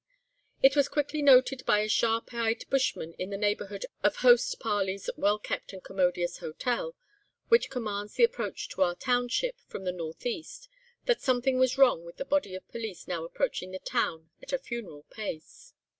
"It was quickly noted by a sharp eyed bushman, in the neighbourhood of Host Parley's well kept and commodious hotel, which commands the approach to our township from the north east, that something was wrong with the body of police now approaching the town at a funeral pace.